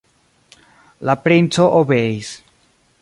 La princo obeis.